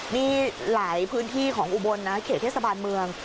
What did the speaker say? นี่หลายพื้นที่ของอุบลนะเขตเทศบาลเมือง